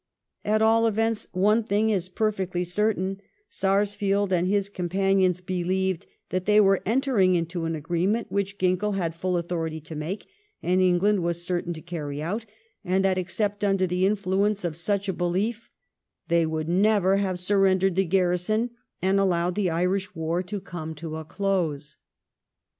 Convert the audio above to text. At all events, one thing is perfectly certain — Sarsfield and his com panions believed that they were entering into an agree ment which Ginckell had full authority to make and England was certain to carry out, and that except under the influence of such a belief they would never have surrendered the garrison and allowed the Irish war to come to a close.